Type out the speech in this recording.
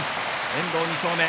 遠藤、２勝目。